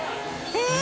えっ！